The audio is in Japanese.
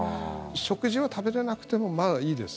食事は食べれなくてもまあいいです。